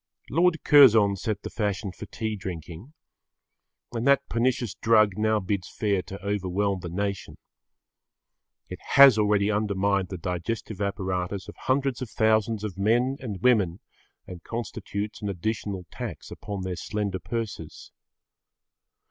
Lord Curzon set the fashion for tea drinking. And that pernicious drug now bids fair to overwhelm the nation. It has already undermined the digestive apparatus of hundreds of thousands of men and women and constitutes an additional tax upon their slender purses.